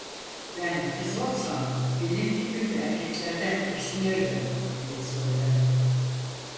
"Ben kız olsam benim tipimde erkeklerden tiksinirdim" diye söylendi.